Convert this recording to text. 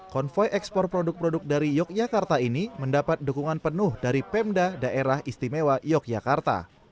konvoy ekspor produk produk dari yogyakarta ini mendapat dukungan penuh dari pemda daerah istimewa yogyakarta